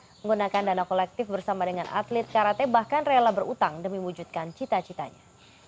yang menggunakan dana kolektif bersama dengan atlet karate bahkan rela berutang demi wujudkan cita citanya